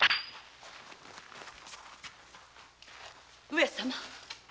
上様。